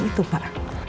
bukan itu pak